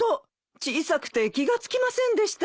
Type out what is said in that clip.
小さくて気が付きませんでしたよ。